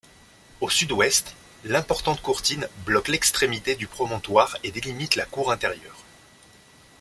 Au sud-ouest, l’importante courtine bloque l'extrémité du promontoire et délimite la cour intérieure.